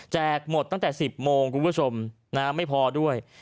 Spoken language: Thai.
หมดตั้งแต่๑๐โมงคุณผู้ชมไม่พอด้วย